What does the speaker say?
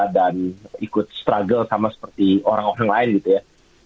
dan ikut struggle sama seperti orang orang lain gitu ya